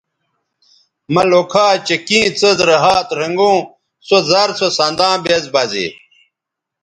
مہ لوکھا چہء کیں څیز رے ھات رھنگوں سو زر سو سنداں بیز بہ زے